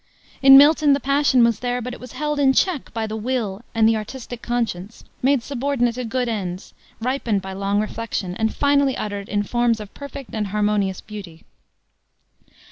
In Milton the passion was there, but it was held in check by the will and the artistic conscience, made subordinate to good ends, ripened by long reflection, and finally uttered in forms of perfect and harmonious beauty.